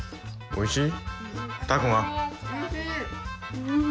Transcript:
おいしい！